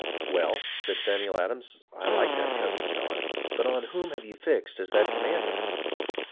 "Well," said Samuel Adams, " I like that, Cousin John; but on whom have you fixed as that commander?"